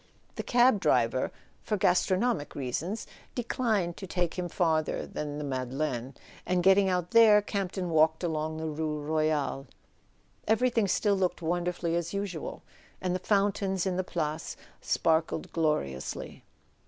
The cab driver, for gastronomic reasons, declined to take him farther than the Madeleine; and getting out there, Campton walked along the rue Royale. Everything still looked wonderfully as usual; and the fountains in the Place sparkled gloriously.